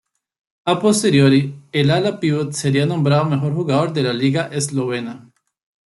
A posteriori, el ala-pívot sería nombrado mejor jugador de la liga eslovena.